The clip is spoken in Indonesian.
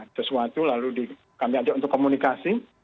sesuatu lalu kami ajak untuk komunikasi